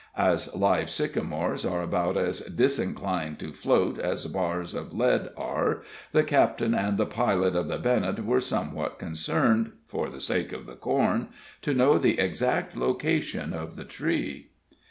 As live sycamores are about as disinclined to float as bars of lead are, the captain and pilot of the Bennett were somewhat concerned for the sake of the corn to know the exact location of the tree.